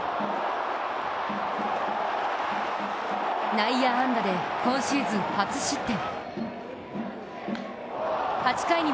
内野安打で今シーズン初失点。